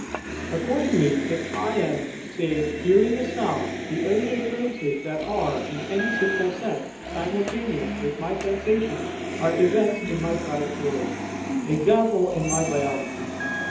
Accordingly, if I am (say) hearing a sound, the only occurrences that are, in any simple sense, simultaneous with my sensation are events in my private world, i.e. in my biography.